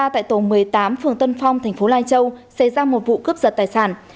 tại tổng một mươi tám phường tân phong tp lai châu xảy ra một vụ cướp giật tài sản